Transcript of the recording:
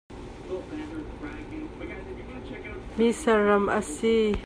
Nihin cu va na pel lo ee!